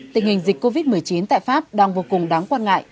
tình hình dịch covid một mươi chín tại pháp đang vô cùng đáng quan ngại